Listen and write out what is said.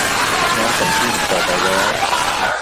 น้องของพี่อีกต่อไปแล้ว